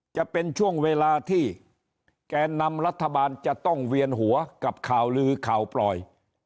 จะเป็นช่วงเวลาที่แกนนำรัฐบาลจะต้องเวียนหัวกับข่าวลือข่าวปล่อย